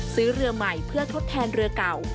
ซื้อเรือใหม่เพื่อทดแทนเรือเก่า